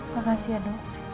makasih ya dok